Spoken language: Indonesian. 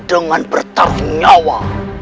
dengan bertarung nyawa